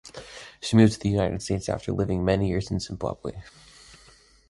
She moved to the United States after living many years in Zimbabwe.